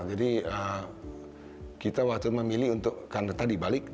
jadi kita waktu itu memilih untuk karena tadi balik